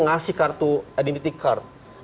ngasih kartu identity card